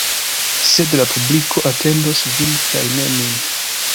Sed la publiko atendos vin kaj ne min.